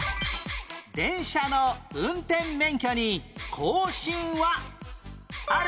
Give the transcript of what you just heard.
電車の運転免許に更新はある？